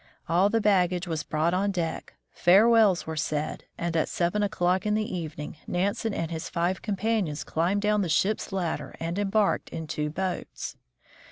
All the baggage was brought on deck, farewells were said, and at seven o'clock in the evening Nansen and his five companions climbed down the ship's ladder and embarked in two boats.